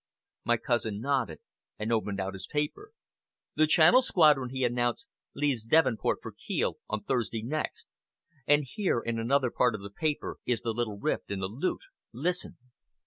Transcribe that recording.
My cousin nodded and opened out his paper. "The Channel Squadron," he announced, "leaves Devonport for Kiel on Thursday next. And here, in another part of the paper, is the little rift in the lute, Listen!